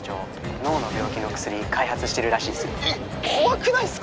脳の病気の薬開発してるらしいっすよえっ怖くないすか？